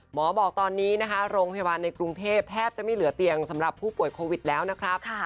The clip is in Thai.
หมอบอกตอนนี้นะคะโรงพยาบาลในกรุงเทพแทบจะไม่เหลือเตียงสำหรับผู้ป่วยโควิดแล้วนะครับ